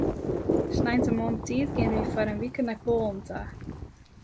Sneintemoarn betiid geane wy foar in wike nei Poalen ta.